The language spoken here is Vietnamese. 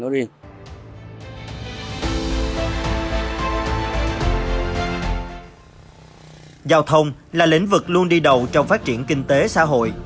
giao thông là lĩnh vực luôn đi đầu trong phát triển kinh tế xã hội